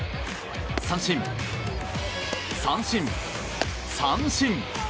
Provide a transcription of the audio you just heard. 三振、三振、三振！